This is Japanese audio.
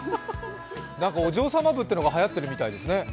なんかお嬢様部っていうのがはやってるみたいですね。